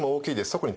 特に。